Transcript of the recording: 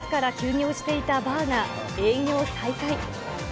８月から休業していたバーが営業を再開。